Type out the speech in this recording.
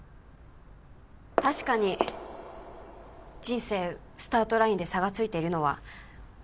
確かに人生スタートラインで差がついているのは否めませんよね